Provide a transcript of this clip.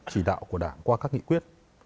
chỉ đạo của đảng qua các nghị quyết